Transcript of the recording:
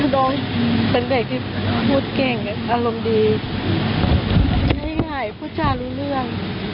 โดยเป็นเด็กที่พูดเก่งอารมณ์ดีง่ายพูดจารู้เรื่อง